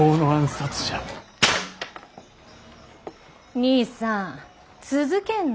にいさん続けんの？